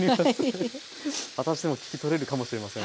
私でも聞き取れるかもしれません。